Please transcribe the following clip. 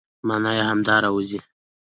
مانا يې همدا راوځي،